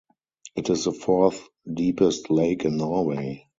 It is the fourth-deepest lake in Norway.